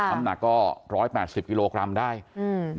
น้ำหนักก็ร้อยแปดสิบกิโลกรัมได้อืม